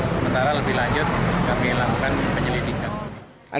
sementara lebih lanjut kami lakukan penyelidikan